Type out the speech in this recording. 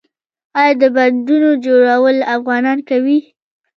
آیا د بندونو جوړول افغانان کوي؟